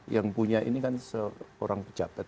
yang punya ini kan seorang pejabat